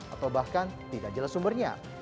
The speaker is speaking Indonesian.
atau bahkan tidak jelas sumbernya